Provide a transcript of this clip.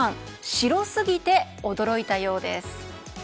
白すぎて驚いたようです。